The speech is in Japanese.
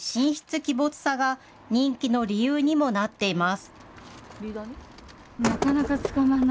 鬼没さが人気の理由にもなっています。